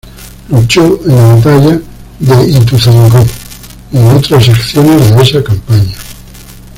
Luchó en la batalla de Ituzaingó y en otras acciones de esa campaña.